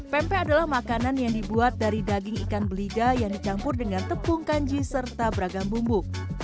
pempek adalah makanan yang dibuat dari daging ikan belida yang dicampur dengan tepung kanji serta beragam bumbu